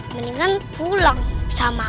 mendingan pulang bersama